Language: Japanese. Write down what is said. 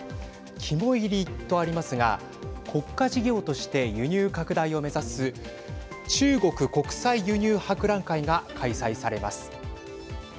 肝煎りとありますが国家事業として輸入拡大を目指す中国国際輸入博覧会が開催されます。